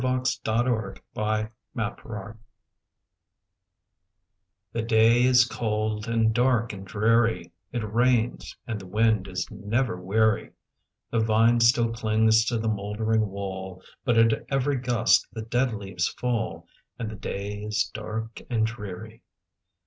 _ The Rainy Day The day is cold, and dark, and dreary; It rains, and the wind is never weary; The vine still clings to the mouldering wall, But at every gust the dead leaves fall, And the day is dark and dreary.